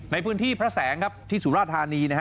ในพื้นที่พระแสงครับที่สุราธานีนะฮะ